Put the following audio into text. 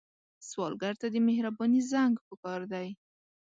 سوالګر ته د مهرباني زنګ پکار دی